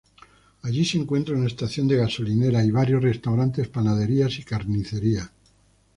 Allí se encuentra una estación de gasolinera y varios restaurantes, panaderías y carnicerías.